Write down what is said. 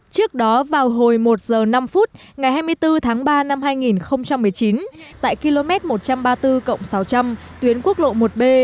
trước đó vào hồi một h năm ngày hai mươi bốn tháng ba năm hai nghìn một mươi chín tại km một trăm ba mươi bốn cộng sáu trăm linh tuyến quốc lộ một b